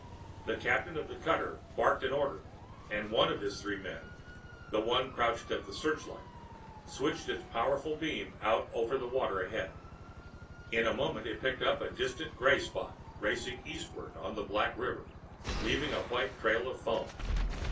The captain of the cutter barked an order and one of his three men, the one crouched at the searchlight, switched its powerful beam out over the waters ahead. In a moment it picked up a distant gray spot racing eastward on the black river, leaving a white trail of foam.